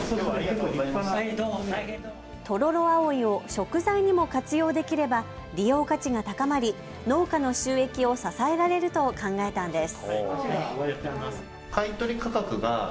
トロロアオイを食材にも活用できれば利用価値が高まり農家の収益を支えられると考えたんです。